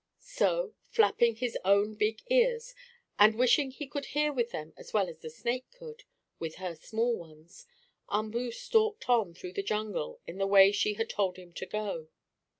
So, flapping his own big ears, and wishing he could hear with them as well as the snake could with her small ones, Umboo stalked on through the jungle in the way she had told him to go.